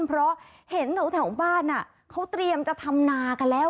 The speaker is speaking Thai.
เพราะเห็นแถวบ้านเขาเตรียมจะทำนากันแล้ว